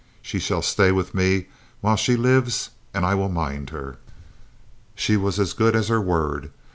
She shall stay with me while she lives and I will mind her." She was as good as her word.